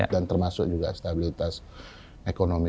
dan termasuk juga stabilitas ekonomi